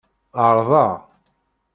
Ɛerḍeɣ.